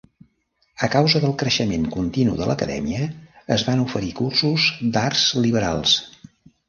A causa del creixement continu de l'acadèmia, es van oferir cursos d'arts liberals.